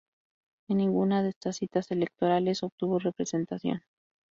En ninguna de estas citas electorales obtuvo representación.